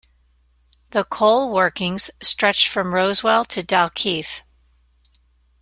The coal workings stretched from Rosewell to Dalkeith.